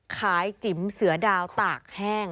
จิ๋มเสือดาวตากแห้ง